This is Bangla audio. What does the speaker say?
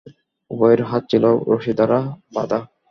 উভয়ের হাত ছিল রশি দ্বারা বাঁধা।